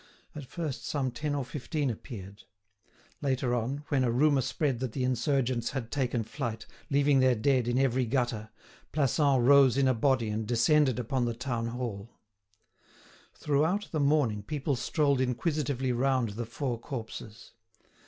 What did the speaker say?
At first some ten or fifteen appeared. Later on, when a rumour spread that the insurgents had taken flight, leaving their dead in every gutter, Plassans rose in a body and descended upon the town hall. Throughout the morning people strolled inquisitively round the four corpses.